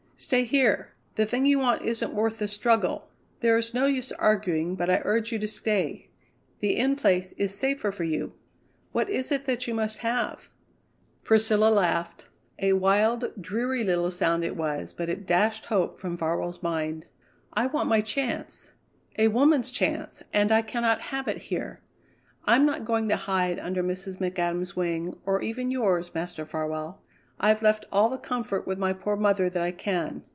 "Stay here. The thing you want isn't worth the struggle. There is no use arguing, but I urge you to stay. The In Place is safer for you. What is it that you must have?" Priscilla laughed a wild, dreary little sound it was, but it dashed hope from Farwell's mind. "I want my chance, a woman's chance, and I cannot have it here. I'm not going to hide under Mrs. McAdam's wing, or even yours, Master Farwell. I've left all the comfort with my poor mother that I can.